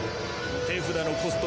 手札のコスト